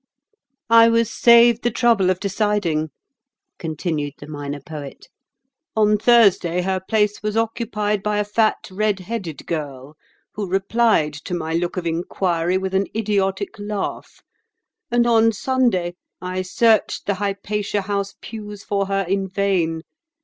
"I was saved the trouble of deciding," continued the Minor Poet. "On Thursday her place was occupied by a fat, red headed girl, who replied to my look of inquiry with an idiotic laugh, and on Sunday I searched the Hypatia House pews for her in vain.